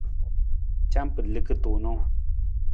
Camar liki tuunng.